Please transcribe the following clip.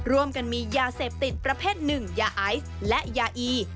ร่วมกันมียาเสพติดประเภทหนึ่งยาไอซ์และยาอี